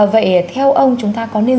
vậy theo ông chúng ta có nên